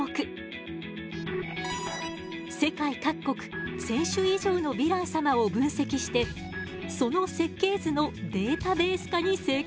世界各国１，０００種以上のヴィラン様を分析してその設計図のデータベース化に成功したの。